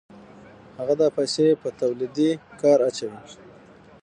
هغه دا پیسې په تولیدي کار اچوي